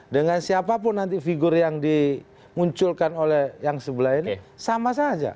dengan siapapun nanti figur yang dimunculkan oleh yang sebelah ini sama saja